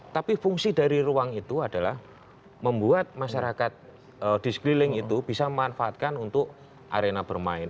tapi fungsi dari ruang itu adalah membuat masyarakat di sekeliling itu bisa memanfaatkan untuk arena bermain